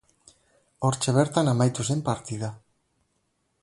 Hortxe bertan amaotu zen partida.